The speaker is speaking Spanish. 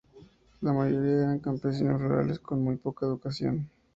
La mayoría eran campesinos rurales con muy poca educación.